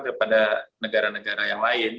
kepada negara negara yang lain